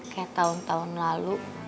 kayak tahun tahun lalu